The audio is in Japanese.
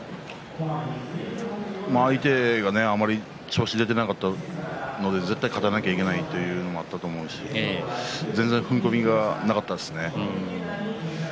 相手が、あまり調子出ていなかったので絶対、勝たなきゃいけないというのもあったと思うし全然、踏み込みがなかったですね。